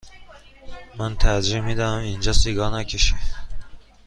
من ترجیح می دهم اینجا سیگار نکشی.